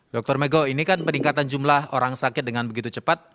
dr mego ini kan peningkatan jumlah orang sakit dengan begitu cepat